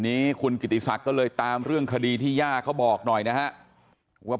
นี้คุณกิติศักดิ์ก็เลยตามเรื่องคดีที่ย่าเขาบอกหน่อยนะฮะว่า